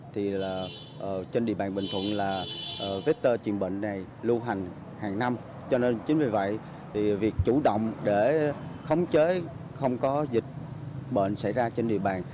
thì trên địa bàn bình thuận là vector chìm bệnh này lưu hành hàng năm cho nên chính vì vậy thì việc chủ động để khống chế không có dịch bệnh xảy ra trên địa bàn